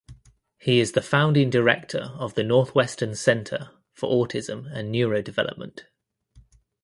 He is the founding director of the Northwestern Center for Autism and Neurodevelopment.